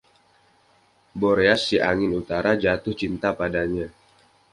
Boreas, si Angin Utara, jatuh cinta padanya.